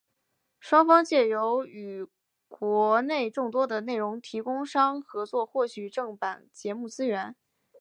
双方藉由与国内众多的内容提供商合作获取正版节目资源。